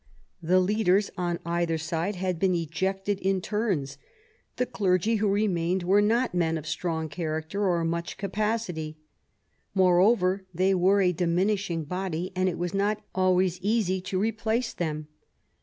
The leaders on either side had been ejected in turns ; the clergy who remained were not men of strong character or much capacity. Moreover they were a diminishing body, and it was not always easy to replace them.